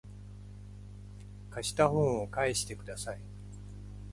貸した本を返してください